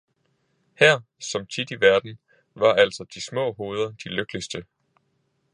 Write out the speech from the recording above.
her, som tit i verden, var altså de små hoveder de lykkeligste.